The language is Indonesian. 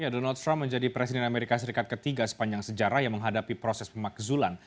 donald trump menjadi presiden amerika serikat ketiga sepanjang sejarah yang menghadapi proses pemakzulan